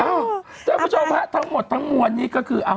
เอ้าเจ้าผู้ชมพะทั้งหมดทั้งหมวนนี้ก็คือ